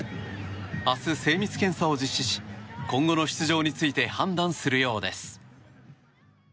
明日、精密検査を実施し今後の出場について判断するようです。